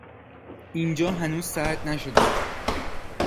اینجا هنوز سرد نشده